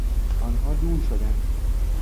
آنها دور شدند.